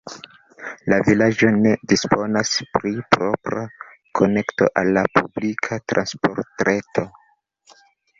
La vilaĝo ne disponas pri propra konekto al la publika transportreto.